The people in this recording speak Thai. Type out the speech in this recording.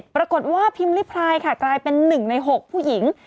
ปรากฏว่าพิมพ์ลิพลายค่ะกลายเป็น๑ใน๖ผู้หญิง